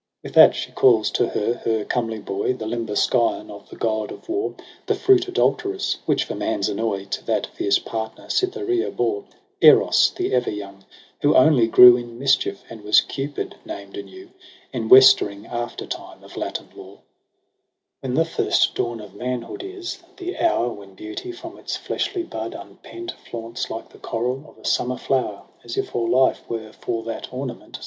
14 With that she calls to her her comely boy. The limber scion of the God of War, The fruit adulterous, which for man's annoy To that fierce partner Cytherea bore, Eros, the ever young, who only grew In mischief, and was Cupid named anew In westering aflertime of latin lore. 8o EROS £^ PSYCHE If What the first dawn of manhood is, the Hour When beauty, from its fleshy bud unpent. Flaunts like the corol of a summer flower. As if all life were for that ornament.